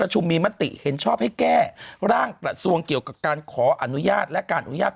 มีมติเห็นชอบให้แก้ร่างกระทรวงเกี่ยวกับการขออนุญาตและการอนุญาต